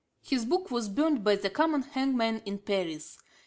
His book was burnt by the common hangman in Paris.